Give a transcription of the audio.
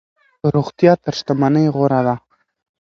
روغتیا تر شتمنۍ غوره ده.